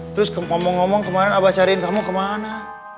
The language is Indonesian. terus ngomong ngomong kemarin abah cariin kamu kemana